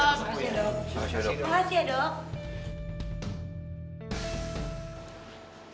terima kasih ya dok